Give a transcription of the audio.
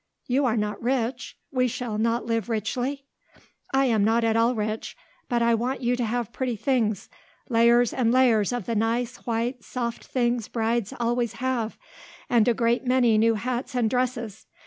You are not rich? We shall not live richly?" "I'm not at all rich; but I want you to have pretty things layers and layers of the nice, white, soft things brides always have, and a great many new hats and dresses.